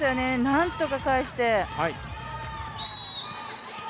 なんとか返して。